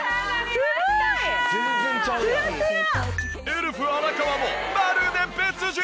エルフ荒川もまるで別人！